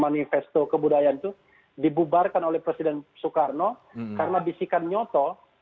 manifesto kebudayaan itu dibubarkan oleh presiden soekarno karena bisikan nyoto